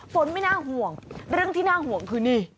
ฝนไม่น่าห่วงเรื่องที่น่าห่วงคือนี่